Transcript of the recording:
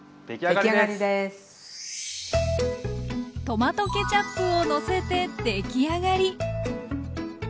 トマトケチャップをのせてできあがり！